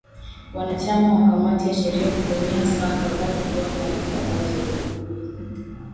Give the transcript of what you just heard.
wanachama wa kamati ya sheria kutumia saa kadhaa kutoa taarifa zao za ufunguzi